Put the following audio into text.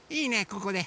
ここで。